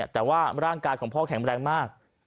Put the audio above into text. แต่ว่าร่างกายของพ่อแข็งแรงมาก